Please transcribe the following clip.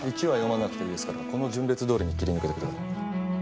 １は読まなくていいですからこの順列どおりに切り抜けてください。